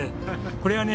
これはね